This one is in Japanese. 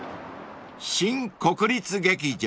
［新国立劇場。